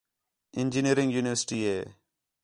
انجینئرنگ یونیورسٹی ہِے